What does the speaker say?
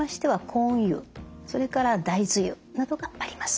コーン油それから大豆油などがあります。